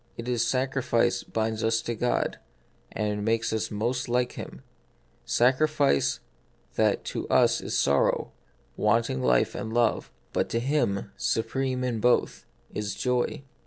It is sacrifice binds us to God, and makes us most like Him : sacrifice that to us is sorrow, wanting life and love ; but to Him, supreme in both, is joy.